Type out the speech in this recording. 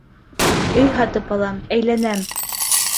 Өй һатып алам, әйләнәм!